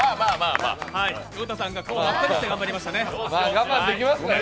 横田さんが顔を真っ赤にして頑張りましたね。